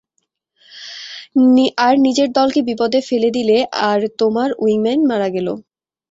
আর নিজের দলকে বিপদে ফেলে দিলে আর তোমার উইংম্যান মারা গেলো।